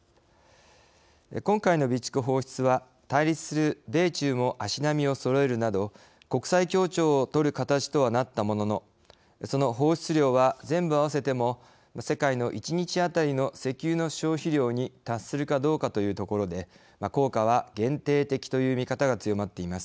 今回の備蓄放出は対立する米中も足並みをそろえるなど国際協調を取る形とはなったもののその放出量は全部合わせても世界の１日当たりの石油の消費量に達するかどうかというところで効果は限定的という見方が強まっています。